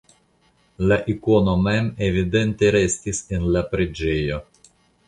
La ikono mem evidente restis en la preĝejo.